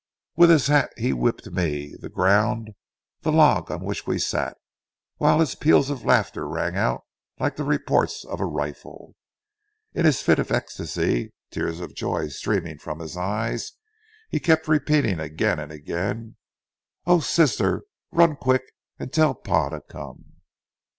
With his hat he whipped me, the ground, the log on which we sat, while his peals of laughter rang out like the reports of a rifle. In his fit of ecstasy, tears of joy streaming from his eyes, he kept repeating again and again, "Oh, sister, run quick and tell pa to come!"